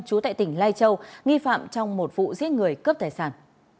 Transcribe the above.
chú tại tỉnh lai châu nghi phạm trong một vụ giết người cướp tài sản